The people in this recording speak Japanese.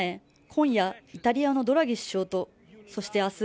今夜イタリアのドラギ首相とそして明日